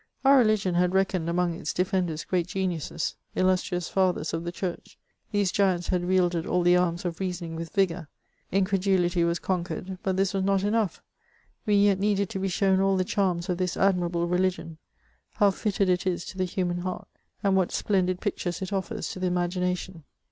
Our religion had reckoned among its defenders great geniuses, illustrious fathers of the Church ; these ^ants had wielded all the arms of reasoning with vigour; in credulity was conquered; but this was not enough; we yet needed to be shown all the charms of this admirable religion, how fitted it is to the human heart, and what splendid pictures it offers to the imagination.